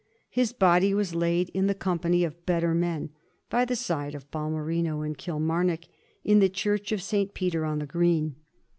His body was laid in the company of better men, by the side of Balmerino and Kilmarnock, in the Church of St. Peter on the Green.